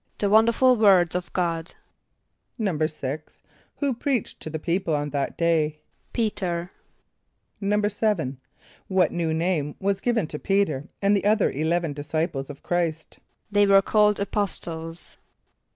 =The wonderful words of God.= =6.= Who preached to the people on that day? =P[=e]´t[~e]r.= =7.= What new name was given to P[=e]´t[~e]r and the other eleven disciples of Chr[=i]st? =They were called apostles.